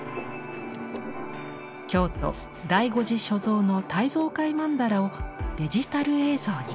京都醍醐寺所蔵の胎蔵界曼荼羅をデジタル映像に。